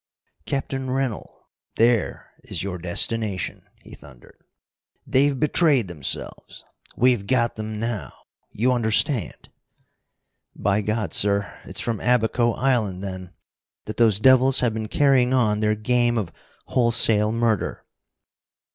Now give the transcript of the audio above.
"Captain Rennell, there is your destination," he thundered. "They've betrayed themselves. We've got them now. You understand?" "By God, sir! It's from Abaco Island, then, that those devils have been carrying on their game of wholesale murder!"